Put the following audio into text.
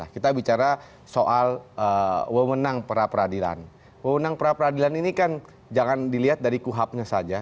kita bicara soal wewenang pra peradilan wewenang pra peradilan ini kan jangan dilihat dari kuhapnya saja